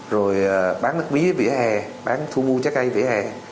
rồi bán nước mía vỉa hè bán thu mua trái cây vỉa hè